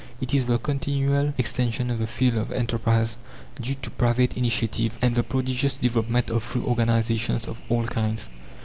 It is the continual extension of the field of enterprise due to private initiative, and the prodigious development of free organizations of all kinds.